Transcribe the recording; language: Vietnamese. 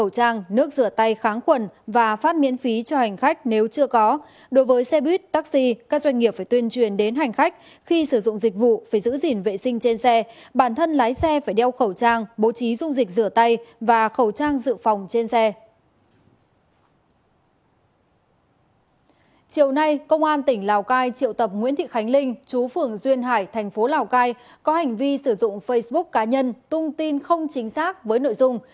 có hành vi sử dụng facebook cá nhân tung tin không chính xác với nội dung